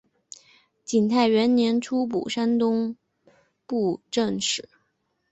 景泰元年出补山东布政使。